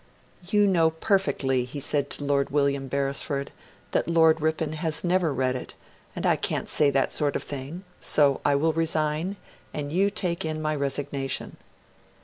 'You know perfectly,' he said to Lord William Beresford, 'that Lord Ripon has never read it, and I can't say that sort of thing; so I will resign, and you take in my resignation.'